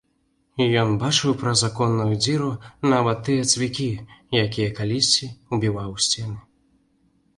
Ён бачыў праз аконную дзіру нават тыя цвікі, якія калісьці ўбіваў у сцены.